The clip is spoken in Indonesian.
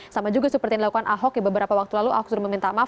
sama juga seperti yang dilakukan ahok beberapa waktu lalu ahok sudah meminta maaf